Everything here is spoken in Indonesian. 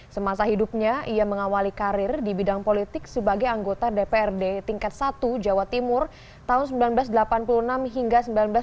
semasa hidupnya ia mengawali karir di bidang politik sebagai anggota dprd tingkat satu jawa timur tahun seribu sembilan ratus delapan puluh enam hingga seribu sembilan ratus sembilan puluh